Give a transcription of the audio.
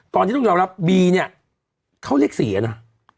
ตอนที่นุกหย่ารับบีเนี่ยเขาเรียกสี่ละนะ